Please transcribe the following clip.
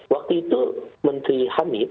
waktu itu menteri hanif